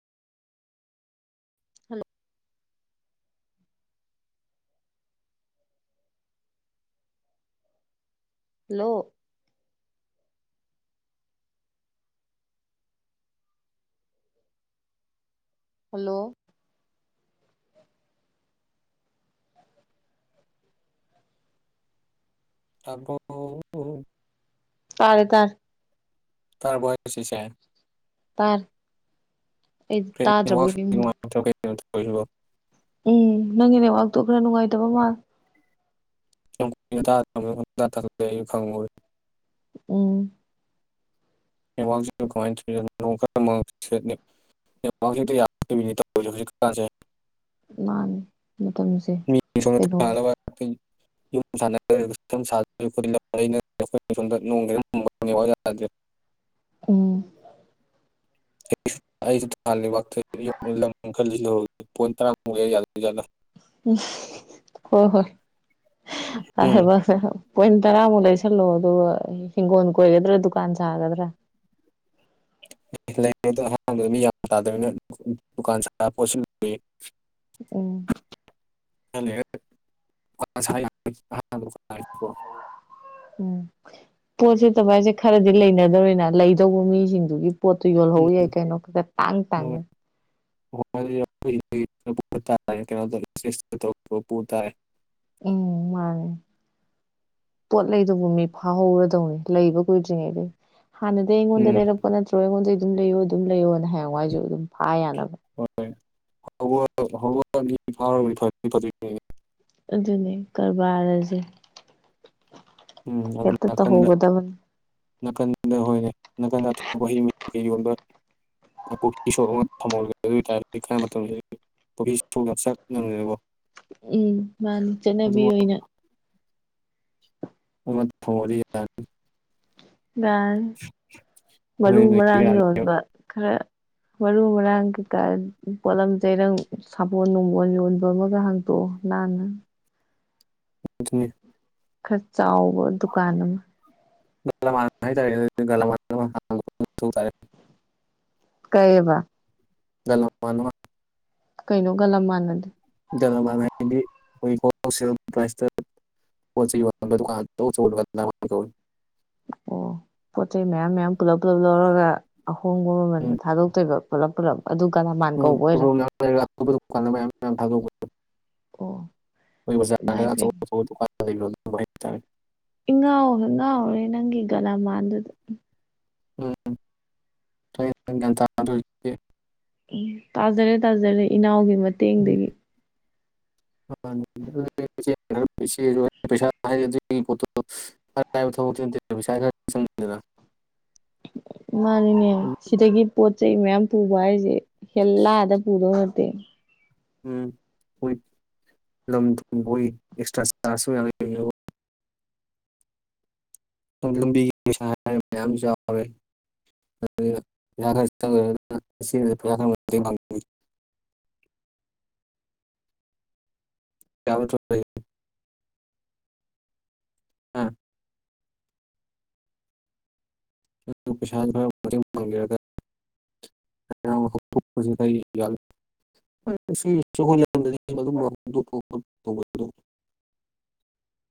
hello ꯂꯣ hello ꯇꯄ [unintelligible] ꯇꯥꯔꯦ ꯇꯥꯔꯦ ꯇ ꯣꯌꯁ ꯏꯁꯦ [unintelligible] ꯇꯔ ꯅꯤꯡꯉꯨꯔꯦ [unintelligible] ꯎꯝ ꯅꯪꯒꯤ ꯅꯕꯥꯛꯇꯣ ꯈꯔ ꯅꯨꯡꯉꯥꯏꯇꯕ ꯃꯥꯜ ꯇ ꯐꯪꯉ [unintelligible] ꯎꯝ ꯀꯃꯥꯏ [unintelligible] ꯌꯥꯗꯣꯏ ꯇ ꯍꯧꯖꯤꯛꯀꯥꯟꯦ [unintelligible] ꯃꯥꯅꯤ ꯃꯇꯝꯁꯦ ꯀꯩꯅꯣꯝ ꯃꯤꯂꯔ [unintelligible] [unintelligible] ꯎꯝ [unintelligible] [unintelligible] ꯍꯣꯏ ꯍꯣꯏ ꯎꯝ ꯍꯥꯏꯕꯁꯦ ꯄꯣꯏꯟ ꯇꯔꯥꯃꯨꯛ ꯂꯩꯁꯜꯂꯣ ꯑꯗꯨꯒ ꯍꯤꯡꯒꯣꯜ ꯀꯣꯏꯒꯗ꯭ꯔꯥ ꯗꯨꯀꯥꯟ ꯁꯥꯒꯗ꯭ꯔꯥ ꯂꯩꯗ ꯑꯍꯥꯟꯕꯗ ꯃꯤ ꯌꯥꯝ ꯇꯥꯗꯕꯅꯤꯅ ꯗꯨꯀꯥꯟ [unintelligible] ꯎꯝ [inaudible] ꯎꯝ ꯄꯣꯠꯁꯤꯠꯇꯕ ꯍꯥꯏꯁꯦ ꯈꯔꯗꯤ ꯂꯩꯅꯗꯧꯔꯤꯅ ꯂꯩꯗꯧꯕ ꯃꯤꯁꯤꯡꯗꯨꯒꯤ ꯄꯣꯠꯇꯨ ꯌꯣꯜꯍꯧ ꯌꯥꯏ ꯀꯩꯅꯣ ꯈꯔ ꯇꯥꯡ ꯇꯥꯡꯅ [inaudible] ꯎꯝ ꯃꯥꯅꯦ ꯄꯣꯠ ꯂꯩꯗꯧꯕ ꯃꯤ ꯐꯥꯍꯧꯔꯗꯧꯅꯤ ꯂꯩꯕ ꯀꯨꯏꯗ꯭ꯔꯤꯉꯩꯗꯒꯤ ꯍꯥꯟꯅꯗꯒꯤ ꯑꯩꯉꯣꯟꯗ ꯂꯩꯔꯛꯄ ꯅꯠꯇ꯭ꯔꯣ ꯑꯩꯉꯣꯟꯒꯤ ꯑꯗꯨꯝ ꯂꯩꯌꯣ ꯑꯗꯨꯝ ꯂꯩꯌꯣꯅ ꯍꯥꯏꯌꯦꯡꯋꯥꯏꯁꯨ ꯑꯗꯨꯝ ꯍꯥꯏ ꯌꯥꯅꯕ [inaudible] ꯑꯗꯨꯅꯦ ꯀꯔꯕꯥꯔꯁꯦ ꯎꯝ ꯑꯗꯨ ꯍꯦꯛꯇ ꯅꯥꯀꯟꯗ ꯇꯧꯍꯧꯒꯗꯕꯅꯤ ꯅꯥꯀꯟꯗ ꯍꯣꯏꯅꯦ ꯅꯥꯀꯟꯗ ꯑꯇꯣꯞꯄ ꯍꯩꯩ ꯌꯣꯟꯕ ꯀꯣꯐꯤ ꯁꯣꯞ ꯑꯃ ꯊꯝꯍꯜꯒꯦ ꯑꯗꯨ ꯑꯣꯏꯇꯥꯔꯗꯤ ꯈꯔ ꯃꯇꯝꯗ ꯀꯣꯐꯤ ꯁꯣꯞ ꯌꯥꯝ ꯆꯠꯅꯕꯅꯤꯅꯀꯣ ꯎꯝ ꯃꯥꯅꯤ ꯆꯠꯅꯕꯤ ꯑꯣꯏꯅ [inaudible] ꯌꯔꯅꯤ ꯍꯣꯏ ꯃꯔꯨ ꯂꯩꯕ ꯃꯔꯥꯡ ꯌꯣꯟꯕ ꯌꯥꯅꯦꯕ ꯈꯔ ꯃꯔꯨ ꯃꯔꯥꯡ ꯀꯩꯀꯥ ꯄꯣꯠꯂꯝ ꯆꯩꯔꯝ ꯁꯥꯄꯣꯟ ꯅꯨꯡꯕꯣꯟ ꯌꯣꯟꯕꯃꯒ ꯍꯥꯡꯗꯣꯛꯑꯣ ꯅꯥꯜꯅ ꯑꯗꯨꯅꯦ ꯈꯔ ꯆꯥꯎꯕ ꯗꯨꯀꯥꯟ ꯑꯃ [inaudible] ꯀꯩꯌꯦꯕ [inaudible] ꯀꯩꯅꯣꯒ ꯃꯥꯅꯗꯦ [inaudible] [inaudible] ꯑꯣ ꯄꯣꯠ ꯆꯩ ꯃꯌꯥꯝ ꯃꯌꯥꯝ ꯄꯨꯂꯞ ꯄꯨꯂꯞ ꯂꯧꯔꯒ ꯑꯍꯣꯡꯕ ꯃꯥꯃꯟꯗ ꯊꯥꯗꯣꯛꯇꯣꯏꯕ ꯄꯨꯂꯞ ꯄꯨꯂꯞ ꯑꯗꯨ ꯒꯂꯟ [inaudible] [inaudible] ꯑꯣ ꯑꯩꯈꯣꯏ ꯄꯦꯝꯃ [inaudible] ꯏꯉꯥꯎꯗ ꯉꯥꯎꯔꯦ ꯅꯪꯒꯤ ꯒꯂ ꯃꯥꯟꯗꯨꯗ ꯎꯝ ꯒ꯭ꯌꯥꯟ ꯇꯥꯗꯣꯏꯒꯦ [inaudible] ꯎ ꯇꯥꯖꯔꯦ ꯇꯥꯖꯔꯦ ꯏꯅꯥꯎꯒꯤ ꯃꯇꯦꯟ ꯎꯝ [unintelligible] [inaudible] ꯑꯔꯥꯏꯕ ꯊꯕꯛꯇꯤ ꯅꯠꯇꯦ ꯄꯩꯁꯥ ꯈꯔ ꯆꯪꯗꯨꯢꯕ ꯃꯥꯅꯤꯅꯦ ꯎꯝ ꯁꯤꯗꯒꯤ ꯄꯣꯠ ꯆꯩ ꯃꯌꯥꯝ ꯄꯨꯕ ꯍꯥꯏꯁꯦ ꯍꯦꯜꯂꯥꯗ ꯄꯨꯗꯧ ꯅꯠꯇꯦ [inaudible] ꯂꯝꯕꯤꯒꯤ ꯄꯩꯁꯁꯨ ꯍꯥꯏ ꯃꯌꯥꯝꯁꯨ ꯌꯥꯎꯋꯦ [inaudible] [inaudible] ꯑꯥ ꯄꯩꯁꯥꯗꯣ ꯈꯔ ꯃꯇꯦꯡ ꯄꯥꯡꯕꯤꯔꯒ inaudible [inaudible] inaudible [inaudible]